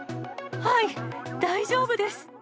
はい、大丈夫です。